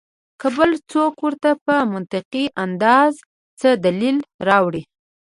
کۀ بل څوک ورته پۀ منطقي انداز څۀ دليل راوړي